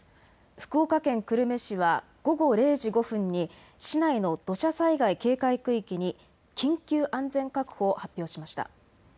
福岡県久留米市は午後０時５分に市内の土砂災害警戒区域に緊急安全確保を発表しました。